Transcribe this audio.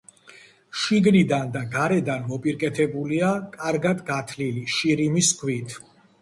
შიგნიდან და გარედან მოპირკეთებულია კარგად გათლილი შირიმის ქვით.